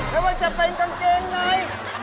ไม่ว่าจะเป็นกางเกงใน